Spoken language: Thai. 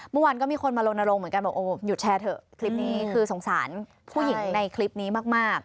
เมื่อวานก็มีคนมาลนลงเหมือนกันบอกโอ้หยุดแชร์เถอะคลิปนี้คือสงสารผู้หญิงในคลิปนี้มาก